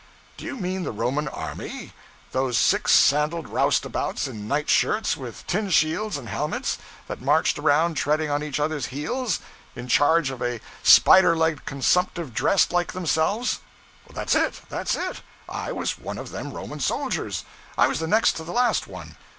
'Do you mean the Roman army? those six sandaled roustabouts in nightshirts, with tin shields and helmets, that marched around treading on each other's heels, in charge of a spider legged consumptive dressed like themselves?' 'That's it! that's it! I was one of them Roman soldiers. I was the next to the last one.